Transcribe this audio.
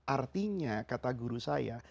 artinya kata guru saya